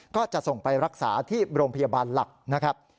ก็จะส่งไปรักษาที่โรงพยาบาลหลักนะครับ